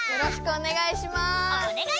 おねがいします。